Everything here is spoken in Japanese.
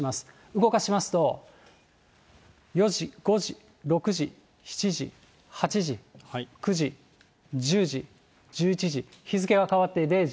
動かしますと、４時、５時、６時、７時、８時、９時、１０時、１１時、日付が変わって０時。